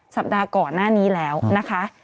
สัปดาห์ก่อนหน้านี้แล้วนะคะ